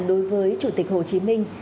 đối với chủ tịch hồ chí minh